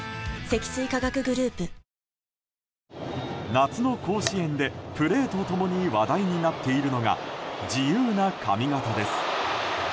夏の甲子園でプレーと共に話題になっているのが自由な髪形です。